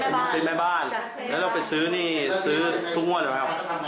ผมเป็นแม่บ้านแล้วเราไปซื้อนี่ซื้อทุกงวดเหรอครับ